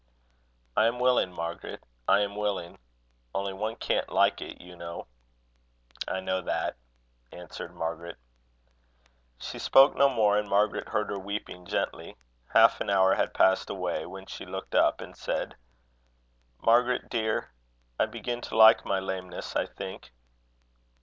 "I am willing, Margaret, I am willing. Only one can't like it, you know." "I know that," answered Margaret. She spoke no more, and Margaret heard her weeping gently. Half an hour had passed away, when she looked up, and said: "Margaret, dear, I begin to like my lameness, I think."